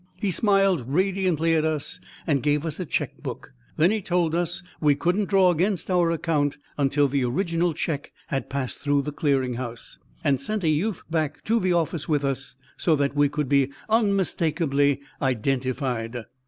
He smiled radiantly at us and gave us a cheque book. Then he told us we couldn't draw against our account until the original cheque had passed through the Clearing House, and sent a youth back to the office with us so that we could be unmistakably identified.